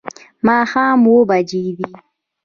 ماښام اووه بجې دي